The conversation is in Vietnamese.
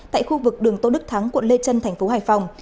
tại khu vực đường tôn đức thắng quận lê trân thành phố hải phòng